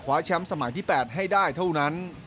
แชมป์สมัยที่๘ให้ได้เท่านั้น